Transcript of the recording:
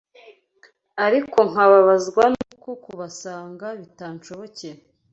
ariko nkababazwa n’uko kubasanga bitanshobokera